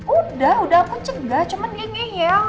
udah udah aku cegah cuma dia ngeyel